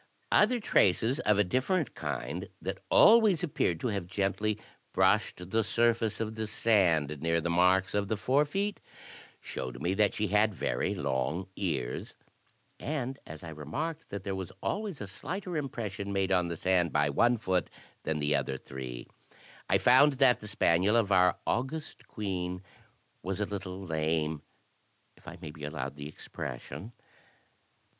Other traces of a different kind, that always appeared to have gently brushed the surface of the sand near the marks of the forefeet, showed me that she had very long ears; and as I remarked that there was always a slighter impression made on the sand by one foot than the other three, I found that the spaniel of our august queen was a little lame, if I may be allowed the expression.